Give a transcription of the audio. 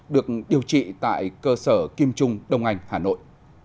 được điều trị tại cơ sở kim trung đông anh hà nội